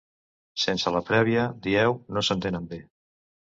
Sense la prèvia, dieu, no s’entenen bé.